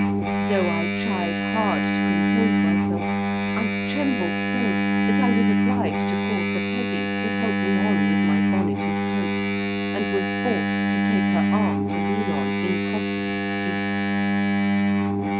Though I tried hard to compose myself, I trembled so that I was obliged to call for Peggy to help me on with my bonnet and cloak, and was forced to take her arm to lean on, in crossing the street.